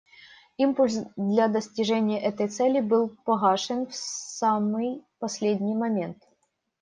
Импульс для достижения этой цели был погашен в самый последний момент.